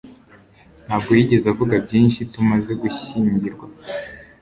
Ntabwo yigeze avuga byinshi tumaze gushyingirwa